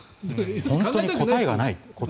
本当に答えがない。